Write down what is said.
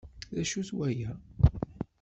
D acu-t waya?